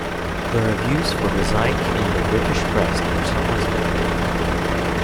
The reviews for the Zike in the British press were somewhat negative.